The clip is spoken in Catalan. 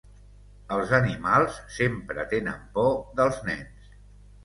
Els animals sempre tenen por dels nens.